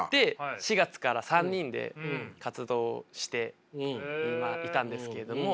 ４月から３人で活動していたんですけども。